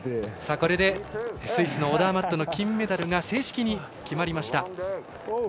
これでスイスのオダーマットの金メダルが正式に決まりました。